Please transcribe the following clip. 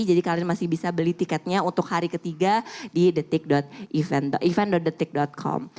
jadi kalian masih bisa beli tiketnya untuk hari ketiga di event thetik com